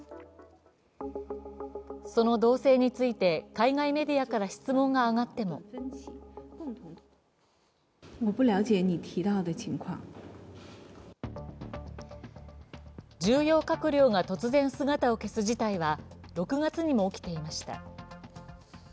その動静について、海外メディアから質問が上がっても重要閣僚が突然姿を消す事態は６月にも起きていました。